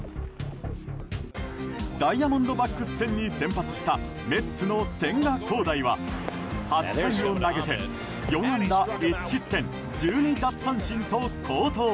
ダイヤモンドバックス戦に先発した、メッツの千賀滉大は８回を投げて４安打１失点１２奪三振と好投。